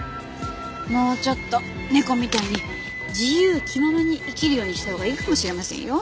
もうちょっと猫みたいに自由気ままに生きるようにしたほうがいいかもしれませんよ。